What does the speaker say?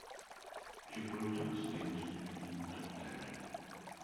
Připoj to na stejnosměrný adaptér.